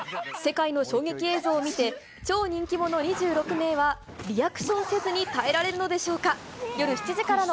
世界の衝撃映像を見て、超人気者２６名はリアクションせずに耐えられるのでしょうか。